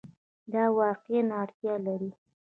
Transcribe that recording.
دا واقعیا اړتیا لري